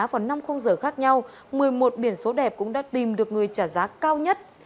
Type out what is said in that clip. vào năm khung giờ khác nhau một mươi một biển số đẹp cũng đã tìm được người trả giá cao nhất